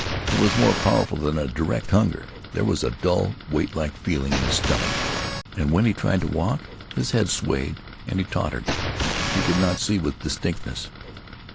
It was more powerful than a direct hunger. There was a dull, weight like feeling in his stomach, and, when he tried to walk, his head swayed and he tottered. He could not see with distinctness.